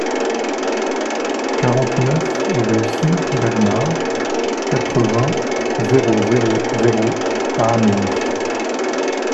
quarante-neuf rue Sire Bernard, quatre-vingts, zéro zéro zéro à Amiens